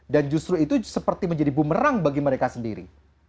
dan justru itu seperti menjadi bumerang bagi mereka sendiri